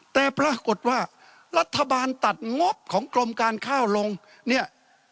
แต่ปรากฏว่ารัฐบาลตัดงบของกรมการข้าวลงเนี่ย